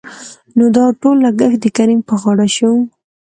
نو دا ټول لګښت دکريم په غاړه شو.